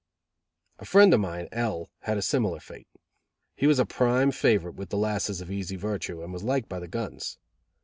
A friend of mine, L , had a similar fate. He was a prime favorite with the lasses of easy virtue, and was liked by the guns.